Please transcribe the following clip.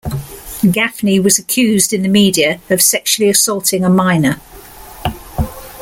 Gafni was accused in the media of sexually assaulting a minor.